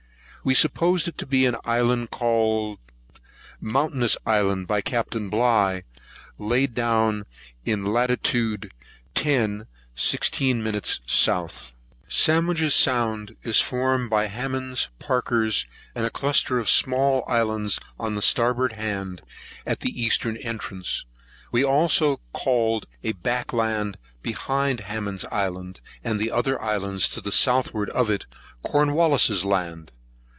We supposed it to be an island called by Captain Bligh Mountainous Island, laid down in latitude 10.16 South. Sandwich's Sound is formed by Hammond's, Parker's, and a cluster of small islands on the starboard hand, at its eastern entrance. We also called a back land behind Hammond's Island, and the other islands to the southward of it, Cornwallis's Land.